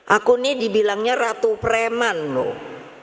aku ini dibilangnya ratu preman loh